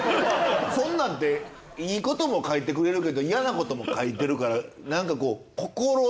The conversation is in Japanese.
そんなんっていいことも書いてくれてるけど嫌なことも書いてるから。